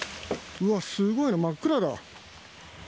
うわ、すごいな、真っ暗だ。